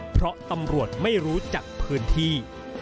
เพราะตำรวจไม่รู้จักพื้นที่